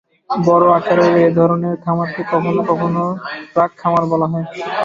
বড় আকারের এ ধরনের খামারকে কখনও কখনও ট্রাক খামার বলা হয়।